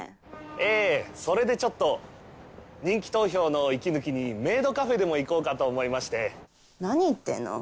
ええそれでちょっと人気投票の息抜きにメイドカフェでも行こうかと思いまして何言ってんの？